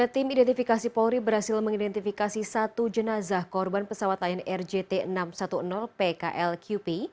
tim identifikasi polri berhasil mengidentifikasi satu jenazah korban pesawat lion air jt enam ratus sepuluh pklqp